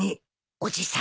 おじさん